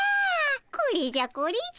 これじゃこれじゃ。